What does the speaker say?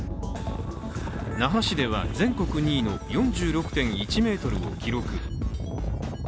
那覇市では全国２位の４６．１メートルを記録。